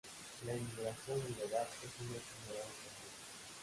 La inmigración ilegal es un hecho ignorado por muchos.